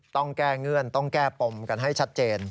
ต้องแก้เงื่อนต้องแก้ปมกันให้ชัดเจน